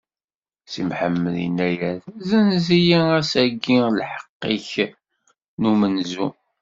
Si Mḥemmed inna-as: Zzenz-iyi ass-agi lḥeqq-ik n umenzu.